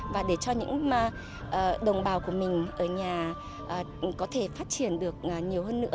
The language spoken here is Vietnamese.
và để cho những đồng bào của mình ở nhà có thể phát triển được nhiều hơn nữa